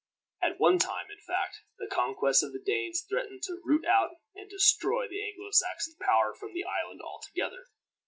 At one time, in fact, the conquests of the Danes threatened to root out and destroy the Anglo Saxon power from the island altogether.